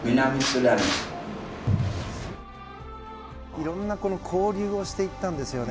いろんな交流をしていったんですよね。